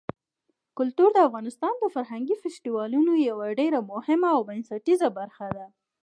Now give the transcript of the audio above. کلتور د افغانستان د فرهنګي فستیوالونو یوه ډېره مهمه او بنسټیزه برخه ده.